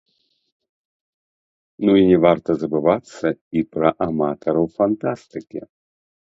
Ну і не варта забывацца і пра аматараў фантастыкі.